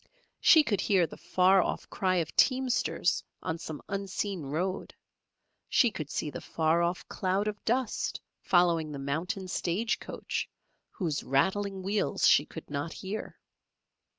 She could hear the far off cry of teamsters on some unseen road; she could see the far off cloud of dust following the mountain stage coach, whose rattling wheels she could not hear.